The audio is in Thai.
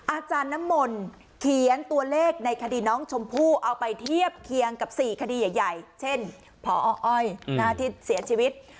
อาจารย์น้ำมนต์เขียนตัวเลขในคดีน้องชมพู่เอาไปเทียบเคียงกับ๔คดีใหญ่เช่นพออ้อยที่เสียชีวิต